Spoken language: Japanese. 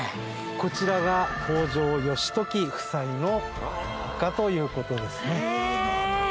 こちらが北条義時夫妻のお墓という事ですね。